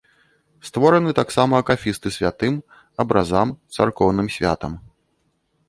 Створаны таксама акафісты святым, абразам, царкоўным святам.